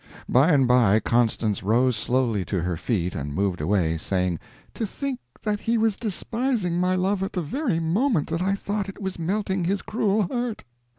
By and by Constance rose slowly to her feet and moved away, saying: "To think that he was despising my love at the very moment that I thought it was melting his cruel heart!